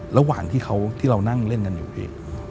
ระหว่างที่เรานั่งเล่นกันอยู่พี่